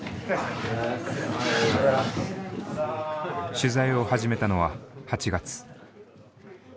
取材を始めたのは８月。